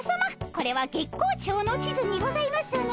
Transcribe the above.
これは月光町の地図にございますね？